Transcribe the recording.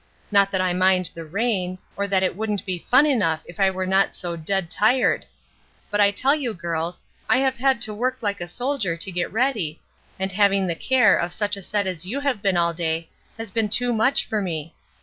"Not that I mind the rain, or that it wouldn't be fun enough if I were not so dead tired. But I tell you, girls, I have had to work like a soldier to get ready, and having the care of such a set as you have been all day has been too much for me.